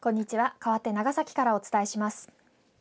かわって長崎からお伝えします。